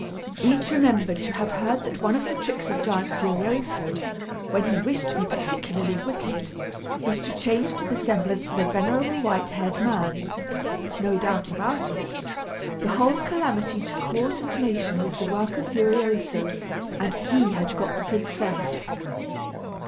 Each remembered to have heard that one of the tricks of Giant Furioso, when he wished to be particularly wicked, was to change to the semblance of a venerable white haired man. No doubt about it, the whole calamity to court and nation was the work of Furioso, and he had got the princess.